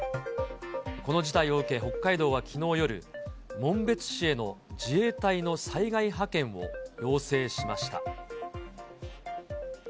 この事態を受け、北海道はきのう夜、紋別市への自衛隊の災害派遣を要請しました。